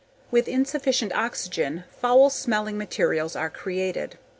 With insufficient oxygen, foul smelling materials are created.